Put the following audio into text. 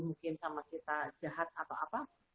mungkin sama kita jahat atau apa